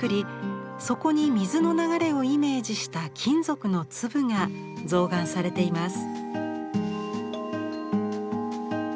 そこに水の流れをイメージした金属の粒が象嵌されています。